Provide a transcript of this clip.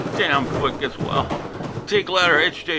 damn foot gets well take letter H.